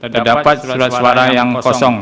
terdapat surat suara yang kosong